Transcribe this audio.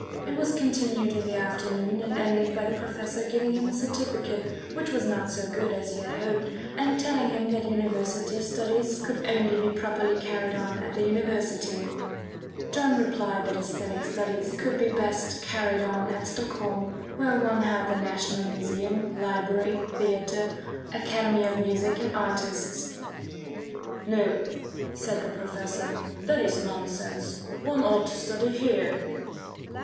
It was continued in the afternoon and ended by the professor giving him a certificate which was not so good as he had hoped, and telling him that university studies could only be properly carried on at the university. John replied that æsthetic studies could be best carried on at Stockholm where one had the National Museum, Library, Theatre, Academy of Music and Artists. "No," said the professor, "that is nonsense; one ought to study here."